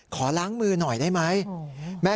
ค้าเป็นผู้ชายชาวเมียนมา